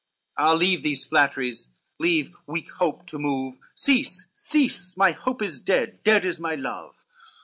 Ah, leave these flatteries, leave weak hope to move, Cease, cease, my hope is dead, dead is my love."